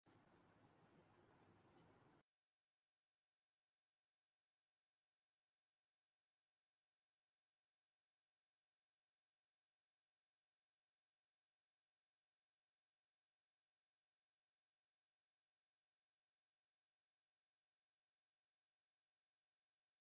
انھیں تفریح فراہم کریں گی